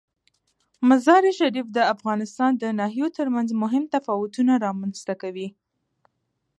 مزارشریف د افغانستان د ناحیو ترمنځ مهم تفاوتونه رامنځ ته کوي.